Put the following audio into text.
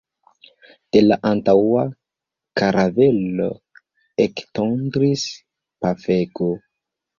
De la antaŭa karavelo ektondris pafego.